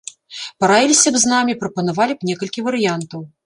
Параіліся б з намі, прапанавалі б некалькі варыянтаў.